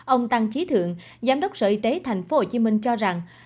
ông tăng trí thượng giám đốc sở y tế tp hcm cho rằng